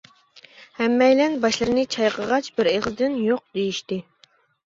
ھەممەيلەن باشلىرىنى چايقىغاچ بىر ئېغىزدىن يوق دېيىشتى.